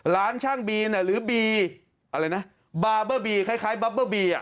ร้านช่างบีน่ะหรือบีอะไรนะบาร์เบอร์บีคล้ายบับเบอร์บีอ่ะ